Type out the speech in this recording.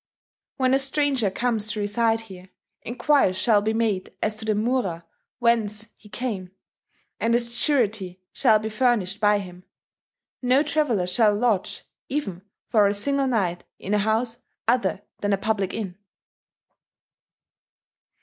"When a stranger comes to reside here, enquiries shall be made as to the mura whence he came, and a surety shall be furnished by him .... No traveller shall lodge, even for a single night, in a house other than a public inn.